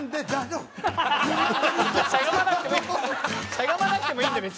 しゃがまなくてもいい別に。